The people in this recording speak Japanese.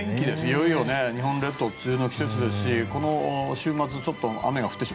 いよいよ日本列島梅雨の季節ですしこの週末、雨が降って。